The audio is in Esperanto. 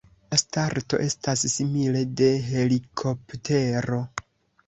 La starto estas simile de helikoptero.